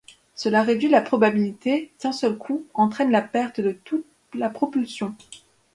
Cela réduit la probabilité qu'un seul coup entraîne la perte de toute la propulsion.